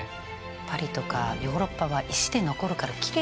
パリとかヨーロッパは石で残るからきれいですよね